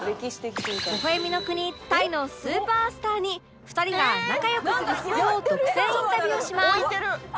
ほほ笑みの国タイのスーパースターに２人が仲良くする秘訣を独占インタビューします